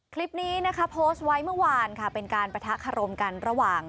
คลิปนี้นะคะโพสต์ไว้เมื่อวานค่ะเป็นการปะทะคารมกันระหว่าง